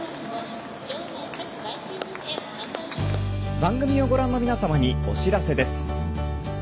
番組をご覧の皆様にお知らせです。